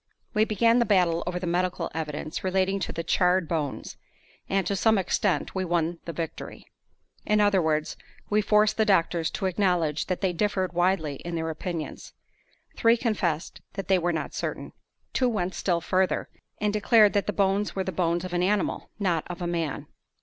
We began the battle over the medical evidence relating to the charred bones; and, to some extent, we won the victory. In other words, we forced the doctors to acknowledge that they differed widely in their opinions. Three confessed that they were not certain. Two went still further, and declared that the bones were the bones of an animal, not of a man.